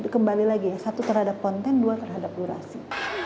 kembali lagi ya satu terhadap konten dua terhadap durasi